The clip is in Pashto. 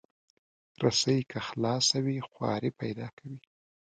رسۍ که خلاصه وي، خواری پیدا کوي.